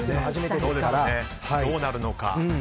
どうなるのか。